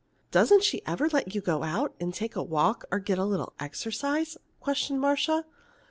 "Doesn't she ever let you go out and take a walk or get a little exercise?" questioned Marcia.